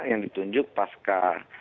yang ditunjuk pasca